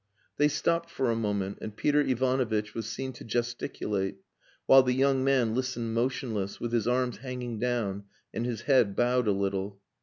They stopped for a moment, and Peter Ivanovitch was seen to gesticulate, while the young man listened motionless, with his arms hanging down and his head bowed a little.